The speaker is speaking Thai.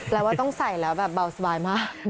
แล้วว่าต้องใส่แล้วแบบเบาสบายมาก